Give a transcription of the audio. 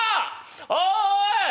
おい！